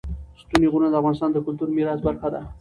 ستوني غرونه د افغانستان د کلتوري میراث برخه ده.